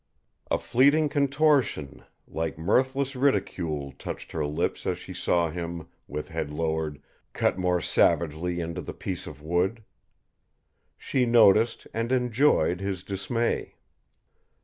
A fleeting contortion, like mirthless ridicule, touched her lips as she saw him, with head lowered, cut more savagely into the piece of wood. She noticed, and enjoyed, his dismay.